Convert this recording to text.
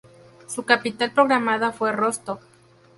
Su capital programada fue Rostov.